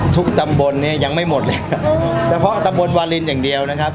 ตำบลเนี่ยยังไม่หมดแล้วเฉพาะตำบลวาลินอย่างเดียวนะครับ